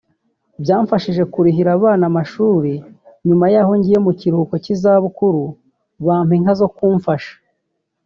Byamfashije kurihira abana amashuri nyuma y’aho ngiye mu kiruhuko cy’izabukuru bampa inka zo kumfasha